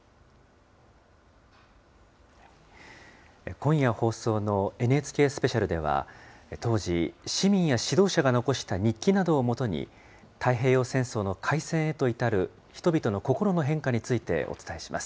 今夜放送のＮＨＫスペシャルでは、当時、市民や指導者が残した日記などを基に、太平洋戦争の開戦へと至る人々の心の変化についてお伝えします。